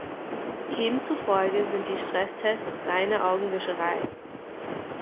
Ihm zufolge sind die Stresstests reine Augenwischerei.